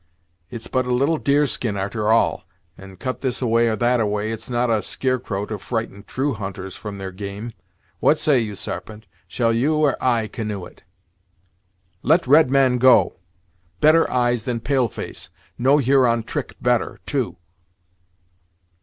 It's but a little deerskin, a'ter all, and cut this a way or that a way, it's not a skear crow to frighten true hunters from their game. What say you, Sarpent, shall you or I canoe it?" "Let red man go. Better eyes than pale face know Huron trick better, too."